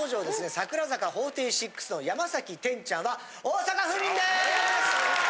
櫻坂４６の山天ちゃんは大阪府民です！